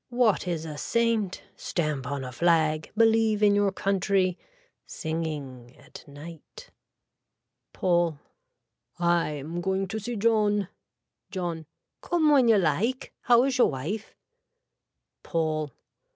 What is a saint. Stamp on a flag. Believe in your country. Singing at night. (Paul.) I am going to see John. (John.) Come when you like. How is your wife. (Paul.)